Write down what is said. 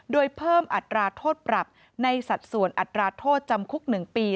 โดยเพิ่มอัตราโทษปรับในสัดส่วนอัตราโทษจำคุก๑ปี